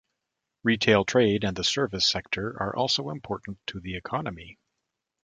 Retail trade and the service sector are also important to the economy.